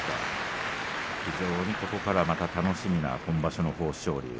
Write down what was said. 非常にここからまた楽しみな今場所、豊昇龍。